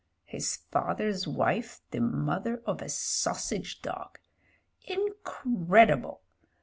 His father's wife the mother of a sausage dog! Incredible!